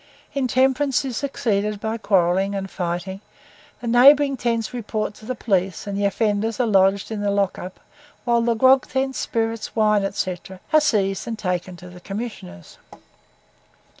Intemperance is succeeded by quarrelling and fighting, the neighbouring tents report to the police, and the offenders are lodged in the lock up; whilst the grog tent, spirits, wine, &c., are seized and taken to the Commissioners.